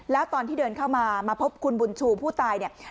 แล้วตอนที่เดินเข้ามามาพบคุณบุญชูผู้ตายเนี่ย